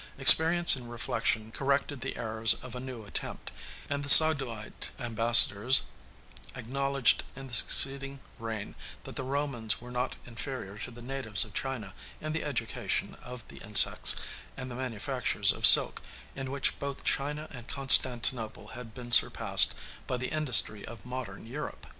Experience and reflection corrected the errors of a new attempt, and the Sogdoite ambassadors acknowledged in the succeeding reign that the Romans were not inferior to the natives of China in the education of the insects and the manufactures of silk, in which both China and Constantinople have been surpassed by the industry of modern Europe.